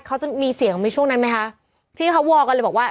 เขาจะมีเสียงไหมช่วงนั้นไหมคะที่เขาวอลกันเลยบอกว่า